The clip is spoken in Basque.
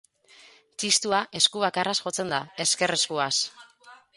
Txistua esku bakarraz jotzen da, ezker eskuaz.